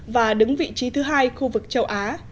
và đứng vị trí thứ hai khu vực châu á